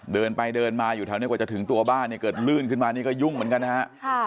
เดินไปเดินมาอยู่แถวนี้กว่าจะถึงตัวบ้านเนี่ยเกิดลื่นขึ้นมานี่ก็ยุ่งเหมือนกันนะฮะ